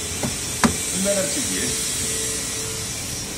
Melmi ara am-tt-id-yefk?